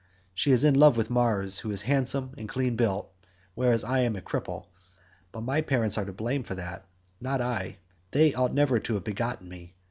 She is in love with Mars, who is handsome and clean built, whereas I am a cripple—but my parents are to blame for that, not I; they ought never to have begotten me.